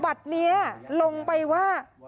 บัตรนี้ลงไปว่า